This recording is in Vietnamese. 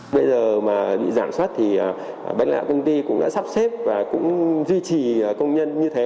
bây giờ mà bị giảm xuất thì bên lão công ty cũng đã sắp xếp và cũng duy trì công nhân như thế